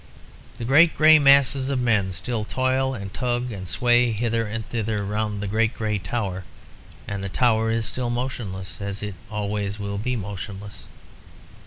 The great grey masses of men still toil and tug and sway hither and thither around the great grey tower; and the tower is still motionless, as it will always be motionless.